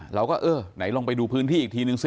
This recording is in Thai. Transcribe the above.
เราก็เออไหนลองไปดูพื้นที่อีกทีนึงสิ